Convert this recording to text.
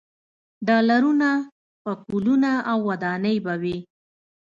ډالرونه، پکولونه او ودانۍ به وي.